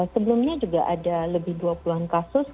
sebelumnya juga ada lebih dua puluh an kasus